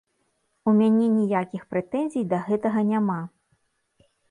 У мяне ніякіх прэтэнзій да гэтага няма.